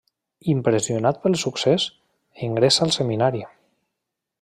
Impressionat pel succés, ingressa al Seminari.